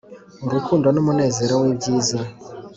urukundo numunezero wibyiza,